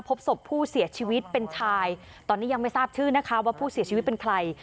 พบศพผู้เสียชีวิตเป็นชายตอนนี้ยังไม่ทราบชื่อนะคะว่าผู้เสียชีวิตเป็นใคร